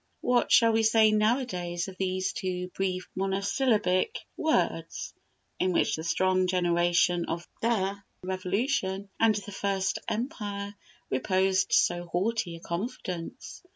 What shall we say now a days of these two brief monosyllabic words, in which the strong generation of the Revolution and the First Empire reposed so haughty a confidence?